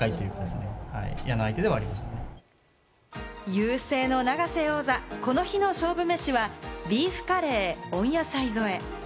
優勢の永瀬王座、この日の勝負飯はビーフカレー温野菜添え。